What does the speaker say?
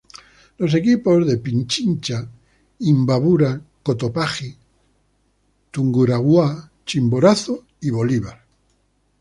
Los equipos de Pichincha, Imbabura, Cotopaxi, Tungurahua, Chimborazo y Bolívar.